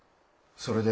それで？